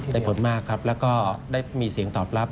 ผลมากครับแล้วก็ได้มีเสียงตอบรับ